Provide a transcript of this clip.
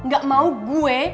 gak mau gue